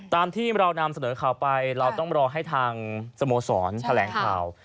ตามที่เรานำเสนอข่าวไปเราต้องรอให้ทางสโมสรแถลงข่าว